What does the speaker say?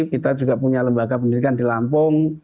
kita juga punya lembaga pendidikan di lampung